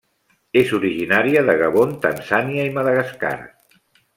És originària de Gabon, Tanzània i Madagascar.